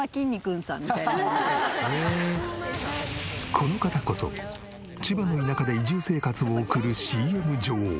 この方こそ千葉の田舎で移住生活を送るＣＭ女王。